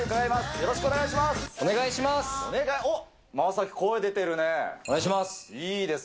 よろしくお願いします。